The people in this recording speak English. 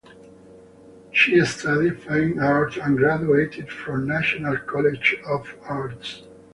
She studied Fine Art and graduated from National College of Arts.